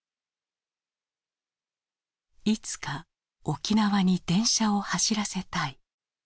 「いつか沖縄に電車を走らせたい」。